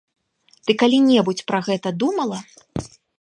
Ты калі-небудзь пра гэта думала?